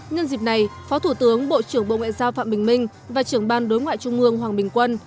nhân dịp này phó thủ tướng bộ trưởng bộ ngoại giao phạm bình minh và trưởng ban đối ngoại trung ương hoàng bình quân